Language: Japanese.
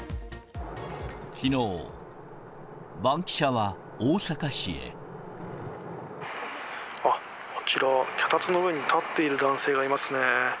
きのう、あっ、あちら、脚立の上に立っている男性がいますね。